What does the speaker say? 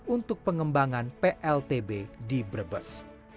untuk pengembangan pltb di brebes